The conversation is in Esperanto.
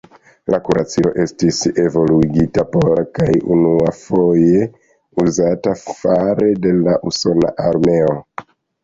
La kuracilo estis evoluigita por kaj unuafoje uzata fare de la usona armeo.